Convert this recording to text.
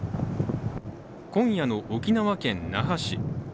今夜の沖縄県那覇市。